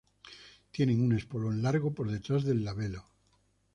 Tienen un espolón largo por detrás del labelo.